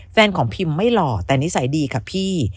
แฟนของพิมไม่หล่อแต่นิสัยดีค่ะพี่